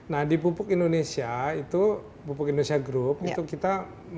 nah di pupuk indonesia itu pupuk indonesia group itu kita